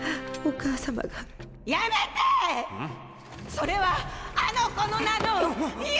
それはあの子のなの！